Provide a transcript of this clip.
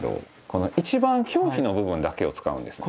この一番表皮の部分だけを使うんです。